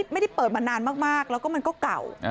ไม่ได้เปิดมานานมากแล้วก็มันก็เก่า